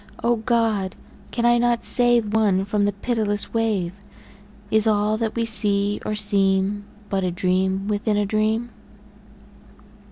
O God! can I not save One from the pitiless wave? Is all that we see or seem But a dream within a dream?